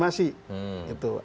mahkamah kehormatan dewan tinggal